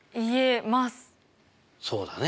そうだね。